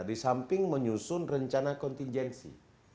di samping menyusun rencana kontingensi